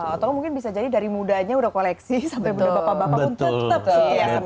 atau mungkin bisa jadi dari mudanya udah koleksi sampai muda bapak bapak pun tetep sih ya